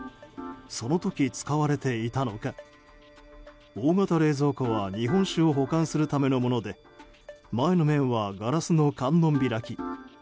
その時、使われていたのか大型冷蔵庫は日本酒を保管するためのもので前の面は、ガラスの観音開き。